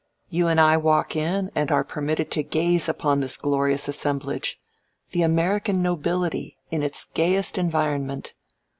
You and I walk in and are permitted to gaze upon this glorious assemblage the American nobility in its gayest environment.